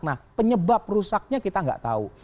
nah penyebab rusaknya kita nggak tahu